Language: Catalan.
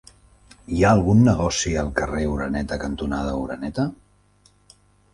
Hi ha algun negoci al carrer Oreneta cantonada Oreneta?